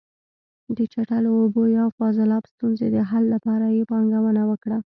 د چټلو اوبو یا فاضلاب ستونزې د حل لپاره یې پانګونه وکړه.